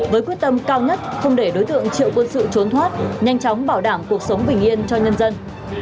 với quyết tâm cao nhất không để đối tượng triệu quân sự trốn thoát nhanh chóng bảo đảm cuộc sống bình yên cho nhân dân